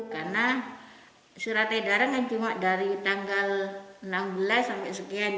karena surat edaran cuma dari tanggal enam belas sampai sekian